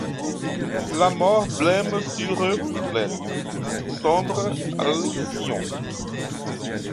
La mort blême sur eux plane, sombre alcyon ;